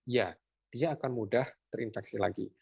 ya dia akan mudah terinfeksi lagi